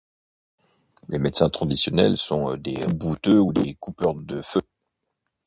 les medecins traditionnels sont des coupeurs de feu